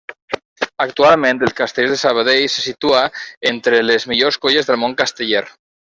Actualment els Castellers de Sabadell se situa entre les millors colles del món casteller.